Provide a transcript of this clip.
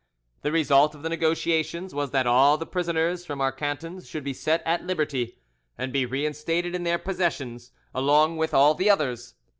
The result of the negotiations was that all the prisoners from our cantons should be set at liberty, and be reinstated in their possessions, along with all the others.